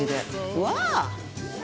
うわ！